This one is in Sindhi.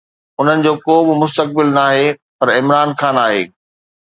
انهن جو ڪو به مستقبل ناهي پر عمران خان آهي.